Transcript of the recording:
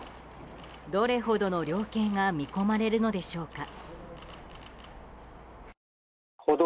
どれほどの量刑が見込まれるのでしょうか。